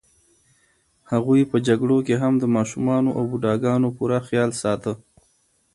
هغوی په جګړو کې هم د ماشومانو او بوډاګانو پوره خیال ساته.